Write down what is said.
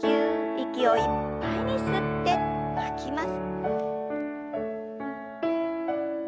息をいっぱいに吸って吐きます。